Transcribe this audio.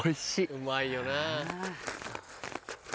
うまいよな。